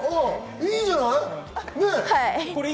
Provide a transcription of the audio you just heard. いいじゃない。